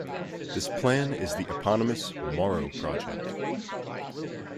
This plan is the eponymous "Morrow Project".